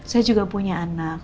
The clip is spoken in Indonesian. saya juga punya anak